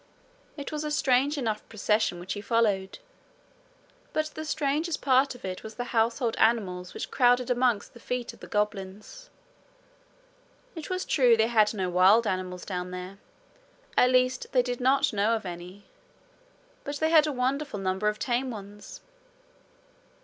It was a strange enough procession which he followed. But the strangest part of it was the household animals which crowded amongst the feet of the goblins. It was true they had no wild animals down there at least they did not know of any; but they had a wonderful number of tame ones.